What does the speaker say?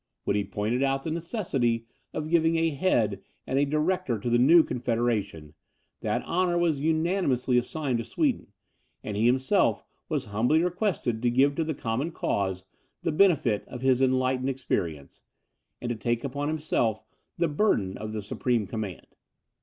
When he pointed out the necessity of giving a head and a director to the new confederation, that honour was unanimously assigned to Sweden, and he himself was humbly requested to give to the common cause the benefit of his enlightened experience, and to take upon himself the burden of the supreme command.